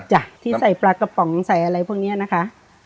ที่ใส่ปลากระป๋องใส่อะไรพวกนี้นะคะ